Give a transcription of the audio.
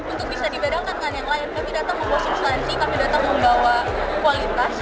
untuk bisa dibedakan dengan yang lain kami datang membawa substansi kami datang membawa kualitas